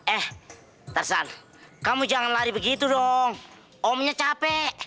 eh tasan kamu jangan lari begitu dong omnya capek